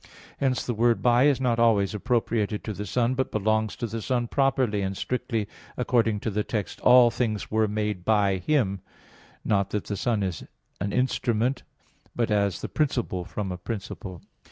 Hence the word "by" is not always appropriated to the Son, but belongs to the Son properly and strictly, according to the text, "All things were made by Him" (John 1:3); not that the Son is an instrument, but as "the principle from a principle."